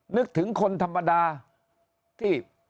นึกถึงคนธรรมดาที่